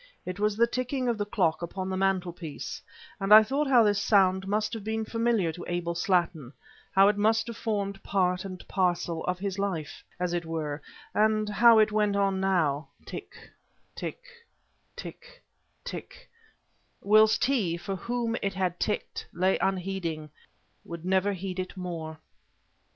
It was the ticking of the clock upon the mantelpiece; and I thought how this sound must have been familiar to Abel Slattin, how it must have formed part and parcel of his life, as it were, and how it went on now tick tick tick tick whilst he, for whom it had ticked, lay unheeding would never heed it more.